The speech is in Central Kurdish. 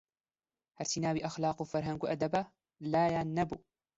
هەرچی ناوی ئەخلاق و فەرهەنگ و ئەدەبە لایان نەبوو